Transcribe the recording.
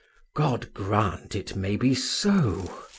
"God grant it may be so!"